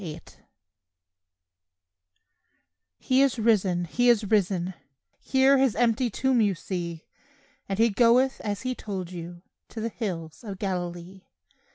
RISEN "He is risen; He is risen, Here His empty tomb you see; And He goeth as He told you To the hills of Galilee."